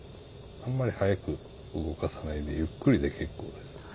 あんまり速く動かさないでゆっくりで結構です。